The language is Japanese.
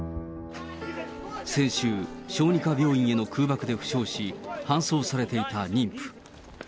先週、小児科病院への空爆で負傷し、搬送されていた妊婦。